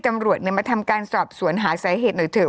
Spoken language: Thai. ตำรวจมาทำการสอบสวนหาสาเหตุหน่อยเถอะ